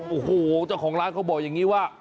โอ้โหเจ้าของร้านเขาบอกอย่างนี้ว่า